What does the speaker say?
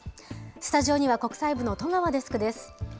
スタジオには国際部の戸川デスクです。